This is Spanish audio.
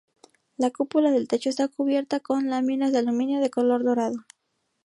La cúpula del techo está cubierta con láminas de aluminio de color dorado.